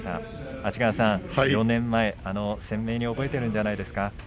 安治川さん、４年前、鮮明に覚えているんじゃないですか？